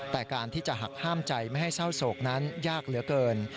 แต่การที่จะหักห้ามใจไม่ให้เศร้าโศกนั้นยากเหลือเกิน